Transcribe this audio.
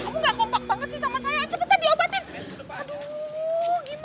kamu gak kompak banget sih sama saya cepetan diobatin